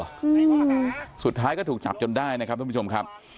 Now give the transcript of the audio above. อืมสุดท้ายก็ถูกจับจนได้นะครับท่านผู้ชมครับ